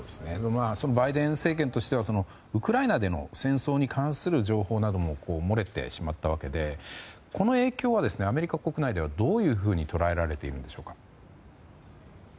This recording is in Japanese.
バイデン政権としてはウクライナでの戦争に関する情報なども漏れてしまったわけでこの影響は、アメリカ国内ではどういうふうに捉えられているんでしょうか？